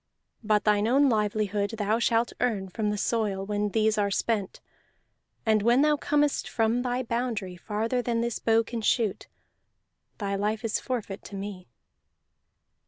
But thine own livelihood thou shalt earn from the soil when these are spent; and when thou comest from thy boundary farther than this bow can shoot, thy life is forfeit to me."